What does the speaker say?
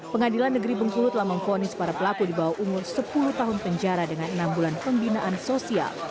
pengadilan negeri bengkulu telah memfonis para pelaku di bawah umur sepuluh tahun penjara dengan enam bulan pembinaan sosial